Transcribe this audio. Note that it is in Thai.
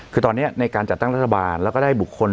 คือตอนนี้ในการจัดตั้งรัฐบาลแล้วก็ได้บุคคล